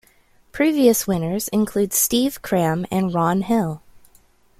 Previous winners include Steve Cram and Ron Hill.